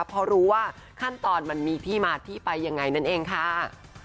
เพราะรู้ว่าขั้นตอนมันมีที่มาที่ไปยังไงนั่นเองค่ะ